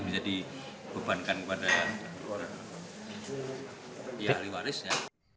bisa dibebankan kepada ahli warisnya